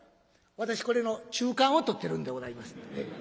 私これの中間を取ってるんでございます。